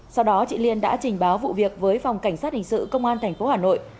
sau đó chị liên đã trình báo vụ việc với phòng cảnh sát hình sự công an tp hà nội